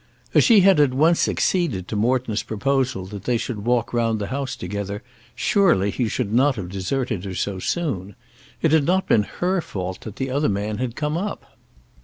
As she had at once acceded to Morton's proposal that they should walk round the house together, surely he should not have deserted her so soon. It had not been her fault that the other man had come up.